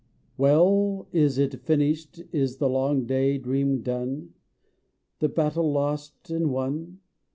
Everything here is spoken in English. Well Is it finished, Is the long day dream done? The battle lost, and won?